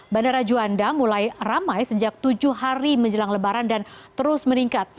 bandara juanda mulai ramai sejak tujuh hari menjelang lebaran dan terus meningkat